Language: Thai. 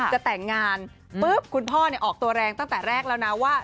จะแต่งงานปุ๊บคุณพ่อออกตัวแรงตั้งแต่แรกแล้วนะว่า